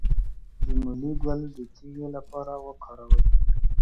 د مولی ګل د تیږې لپاره وکاروئ